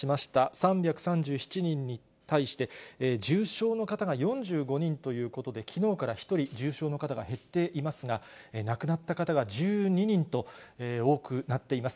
３３７人に対して、重症の方が４５人ということで、きのうから１人、重症の方が減っていますが、亡くなった方が１２人と、多くなっています。